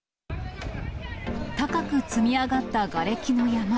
高く積み上がったがれきの山。